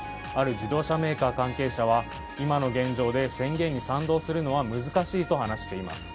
自動車メーカー関係者は、今の現状で宣言に賛同するのは難しいと話しています。